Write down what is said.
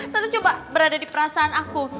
satu coba berada di perasaan aku